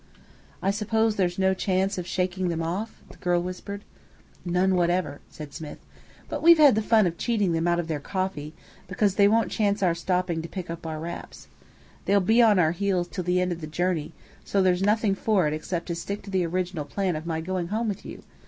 "I suppose there's no chance of shaking them off?" the girl whispered. "None whatever," said Smith. "But we've had the fun of cheating them out of their coffee, because they won't chance our stopping to pick up our wraps. They'll be on our heels till the end of the journey, so there's nothing for it except to stick to the original plan of my going home with you.